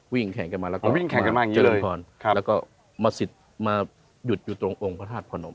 วิ่งแข่งกันมาแล้วก็มาเจริญพรแล้วก็มาสิทธิ์มาหยุดอยู่ตรงองค์พระธาตุพรนม